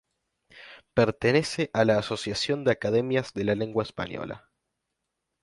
Pertenece a la Asociación de Academias de la Lengua Española.